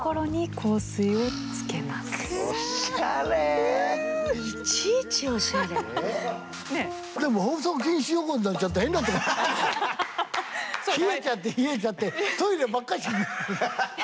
冷えちゃって冷えちゃってトイレばっかし。